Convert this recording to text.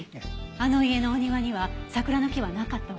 あの家のお庭には桜の木はなかったわ。